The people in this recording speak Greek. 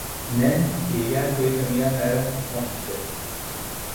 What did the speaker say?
Ναι, η Γιαγιά το είπε μια μέρα, φώναξε